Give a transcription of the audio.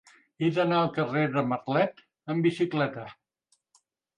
He d'anar al carrer de Marlet amb bicicleta.